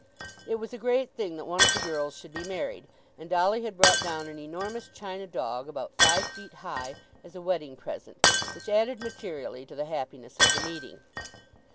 It was a great thing that one of the girls should be married, and Dolly had brought down an enormous china dog, about five feet high, as a wedding present, which added materially to the happiness of the meeting.